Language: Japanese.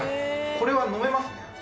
これは飲めますね。